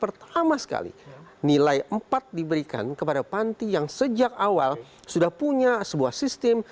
pertama sekali nilai empat diberikan kepada panti yang sejak awal sudah punya sebuah sistem